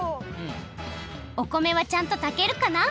お米はちゃんとたけるかな？